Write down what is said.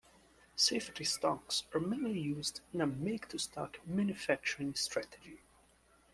Safety stocks are mainly used in a "Make To Stock" manufacturing strategy.